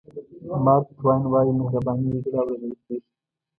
مارک ټواین وایي مهرباني لیدل او اورېدل کېږي.